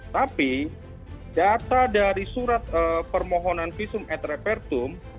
tapi data dari surat permohonan visum et repertum